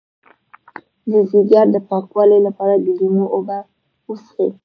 د ځیګر د پاکوالي لپاره د لیمو اوبه وڅښئ